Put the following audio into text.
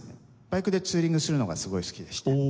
バイクでツーリングするのがすごい好きでして。